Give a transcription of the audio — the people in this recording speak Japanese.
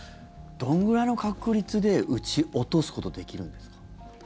どんぐらいの確率で撃ち落とすことできるんですか？